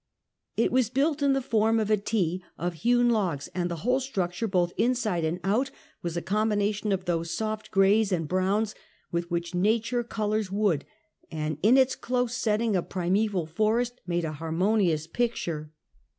It was built in the form of a T, of hewn logs, and the whole structure, both inside and out, was a combina tion of those soft grays and browns with which nature colors wood, and in its close setting of primeval forest, made a harmonious picture.